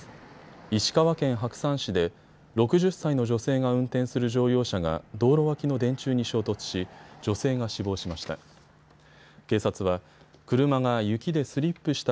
石川県白山市で６０歳の女性が運転する乗用車が道路脇の電柱に衝突し女性が死亡しました。